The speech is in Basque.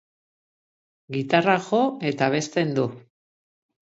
Gitarra jo eta abesten du.